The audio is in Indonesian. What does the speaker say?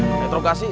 ya retro kasih